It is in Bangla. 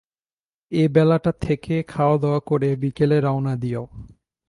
এ বেলাটা থেকে খাওয়াদাওয়া করে বিকেলে রওনা দিও।